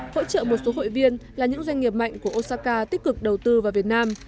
hỗ trợ một số hội viên là những doanh nghiệp mạnh của osaka tích cực đầu tư vào việt nam